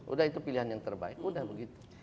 udah itu pilihan yang terbaik udah begitu